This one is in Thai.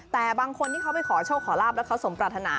แต่บางคนที่เขาไปขอโชคขอลาบแล้วเขาสมปรารถนา